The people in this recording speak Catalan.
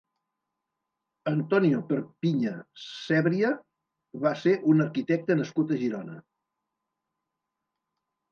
Antonio Perpiña Sebria va ser un arquitecte nascut a Girona.